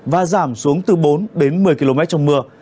và giảm xuống từ bốn đến một mươi km trong mưa